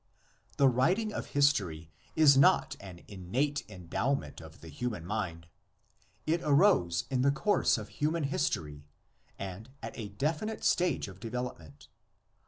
The writing of history is not an innate endowment of the human mind; it arose in the course of human history and at a definite stage of development.